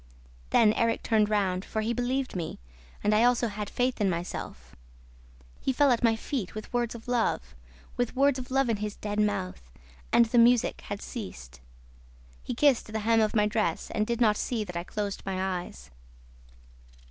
Then Erik turned round, for he believed me, and I also had faith in myself. He fell at my feet, with words of love ... with words of love in his dead mouth ... and the music had ceased ... He kissed the hem of my dress and did not see that I closed my eyes.